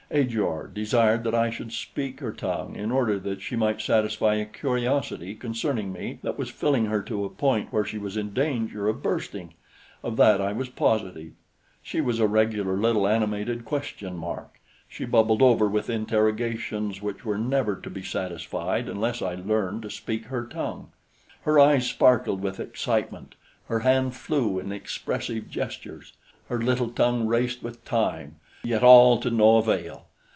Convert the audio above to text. Ajor desired that I should speak her tongue in order that she might satisfy a curiosity concerning me that was filling her to a point where she was in danger of bursting; of that I was positive. She was a regular little animated question mark. She bubbled over with interrogations which were never to be satisfied unless I learned to speak her tongue. Her eyes sparkled with excitement; her hand flew in expressive gestures; her little tongue raced with time; yet all to no avail.